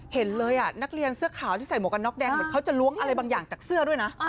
เห็นเลยนักเรียนเสื้อขาวที่ใส่หมวกกันน็อกแดงเหมือนเขาจะล้วงอะไรบางอย่างจากเสื้อด้วยนะ